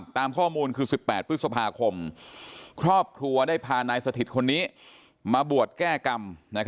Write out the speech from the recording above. ตามข้อมูลคือ๑๘พฤษภาคมครอบครัวได้พานายสถิตคนนี้มาบวชแก้กรรม